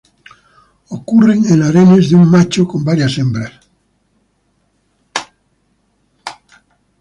Ocurren en harenes de un macho con varias hembras.